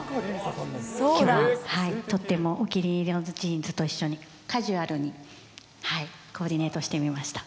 きょうはとってもお気に入りのジーンズと一緒に、カジュアルにコーディネートしてみました。